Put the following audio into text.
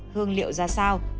hương liệu ra sao